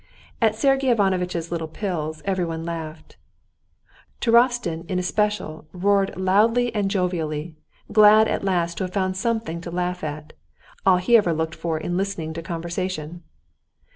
At Sergey Ivanovitch's little pills, everyone laughed; Turovtsin in especial roared loudly and jovially, glad at last to have found something to laugh at, all he ever looked for in listening to conversation.